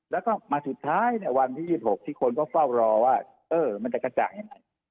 แล้วก็มาสุดท้ายเนี่ยวันที่๒๖ที่คนก็เฝ้ารอว่ามันจะกระจ่างยังไง